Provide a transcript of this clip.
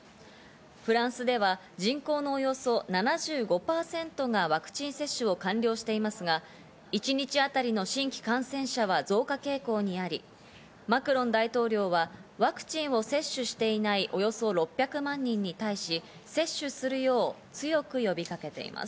フランスでは人口のおよそ７５％がワクチン接種を完了していますが、一日あたりの新規感染者は増加傾向にあり、マクロン大統領はワクチンを接種していないおよそ６００万人に対し、接種するよう強く呼びかけています。